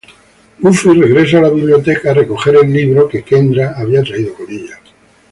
Buffy regresa a la biblioteca a recoger la espada que Kendra trajo con ella.